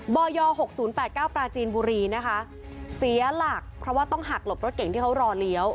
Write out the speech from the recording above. บอย๖๐๘๙ปราจีนบุรีนะคะเสียหลักเพราะว่าต้องหักหลบรถเก่งที่เขารอเลี้ยว